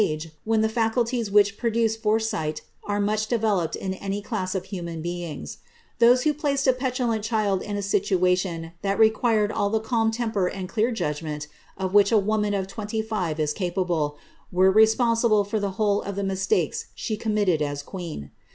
31 ife when the faculties which produce foresight are much developed in any class of human beings: those who placed a petulant child in a situa tion that required all the calm temper and clear judgment of which a woman of twenty five is capable, were responsible for the whole of the jiLstakes she committed as queen.